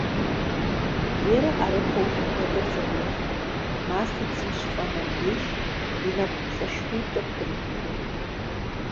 Лерэ ӏэрыхуэу лъэпэдыр зэрехъэ, мастэр цым щыфӏэнэм деж, и напщӏэшхуитӏыр дрегъэуей.